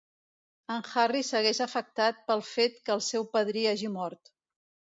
En Harry segueix afectat pel fet que el seu padrí hagi mort.